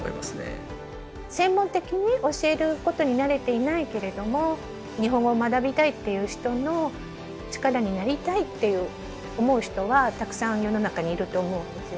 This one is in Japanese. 専門的に教えることに慣れていないけれども日本語を学びたいっていう人の力になりたいって思う人はたくさん世の中にいると思うんですよね。